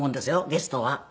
ゲストは。